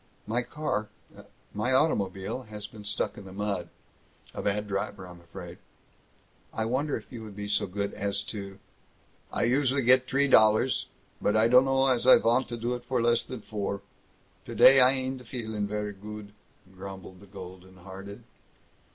"My car my automobile has been stuck in the mud. A bad driver, I'm afraid! I wonder if you would be so good as to " "I usually get t'ree dollars, but I dunno as I vant to do it for less than four. Today I ain'd feelin' very goot," grumbled the golden hearted.